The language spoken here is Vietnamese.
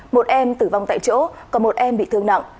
một em tử vong tại chỗ còn một em bị thương nặng